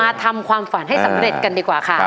ทำความฝันให้สำเร็จกันดีกว่าค่ะ